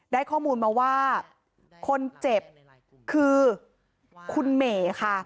ได้ข้อมูลมาว่าคนเจ็บคือคุณเหม่ค่ะ